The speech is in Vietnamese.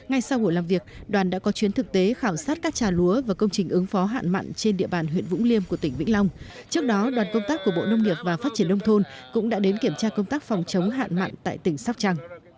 tại buổi làm việc lãnh đạo bộ nông nghiệp và phát triển nông thôn đề nghị vĩnh long cần giả soát lại toàn bộ các kịch bản chương trình năm nay để tiếp tục có chương trình ứng phó